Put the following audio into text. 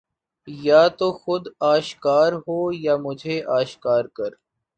یا تو خود آشکار ہو یا مجھے آشکار کر